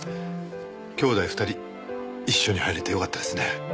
兄弟２人一緒に入れてよかったですね。